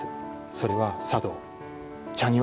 それは茶道。